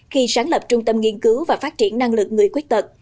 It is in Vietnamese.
khi sáng lập trung tâm nghiên cứu và phát triển năng lực người khuyết tật